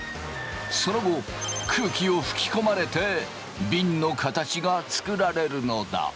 その後空気を吹き込まれてびんの形が作られるのだ。